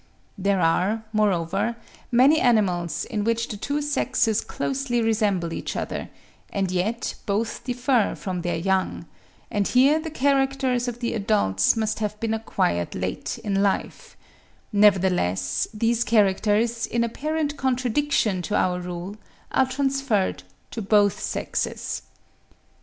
There are, moreover, many animals, in which the two sexes closely resemble each other, and yet both differ from their young: and here the characters of the adults must have been acquired late in life; nevertheless, these characters, in apparent contradiction to our rule, are transferred to both sexes.